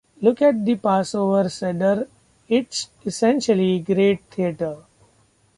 Look at the Passover Seder - it's essentially great theater.